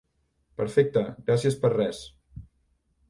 Perfecte, gràcies per res!